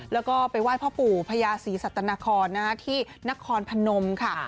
แล้วก็ไปไหว้พ่อปู่พญาศรีสัตนครที่นครพนมค่ะ